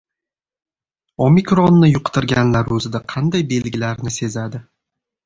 "Omikron"ni yuqtirganlar o‘zida qanday belgilarni sezadi?